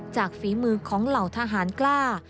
ฝีมือของเหล่าทหารกล้า